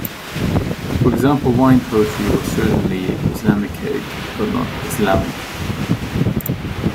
For example, wine poetry was certainly "Islamicate", but not "Islamic".